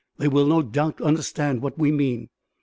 They will, no doubt, understand what we mean."